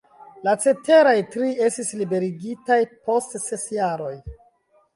La ceteraj tri estis liberigitaj post ses jaroj.